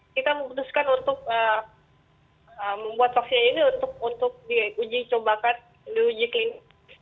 kita memutuskan untuk membuat vaksin ini untuk diuji coba kan diuji klinik